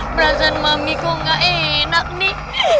perasaan mami kok nggak enak nih